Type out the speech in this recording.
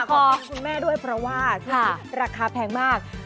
ขอบคุณแม่ด้วยเพราะว่าชีวิตรักษาแพงมาก